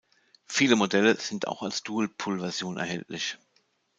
Viele Modelle sind auch als Dual-Pull-Version erhältlich.